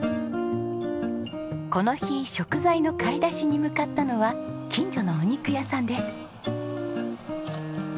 この日食材の買い出しに向かったのは近所のお肉屋さんです。